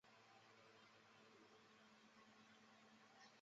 皮奥伊州茹阿泽鲁是巴西皮奥伊州的一个市镇。